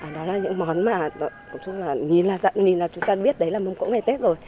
đó là những món mà nhìn là chúng ta biết đấy là mâm cơm ngày tết rồi